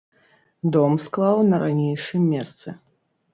Дом склаў на ранейшым месцы.